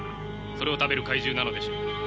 それを食べる怪獣なのでしょう。